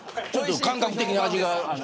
ちょっと感覚的な味が。